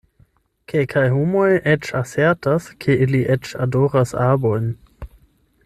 Kelkaj homoj eĉ asertas, ke ili eĉ adoras arbojn.